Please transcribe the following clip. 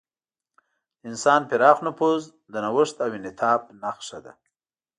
د انسان پراخ نفوذ د نوښت او انعطاف نښه ده.